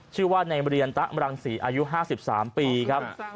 ชื่อว่าในเรียนตะมรังศรีอายุ๕๓ปีครับ